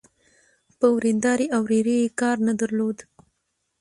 په وريندارې او ورېرې يې کار نه درلود.